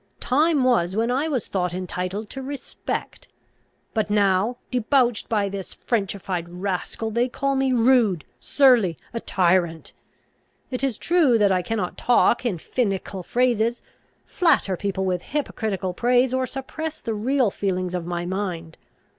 Time was when I was thought entitled to respect. But now, debauched by this Frenchified rascal, they call me rude, surly, a tyrant! It is true that I cannot talk in finical phrases, flatter people with hypocritical praise, or suppress the real feelings of my mind.